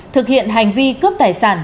thực hiện hành vi cướp tài sản